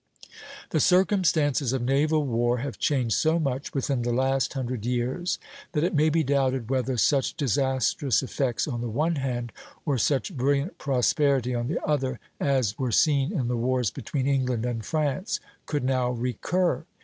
The circumstances of naval war have changed so much within the last hundred years, that it may be doubted whether such disastrous effects on the one hand, or such brilliant prosperity on the other, as were seen in the wars between England and France, could now recur.